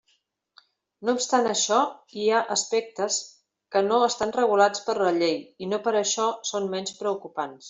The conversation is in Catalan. No obstant això, hi ha aspectes que no estan regulats per la llei, i no per això són menys preocupants.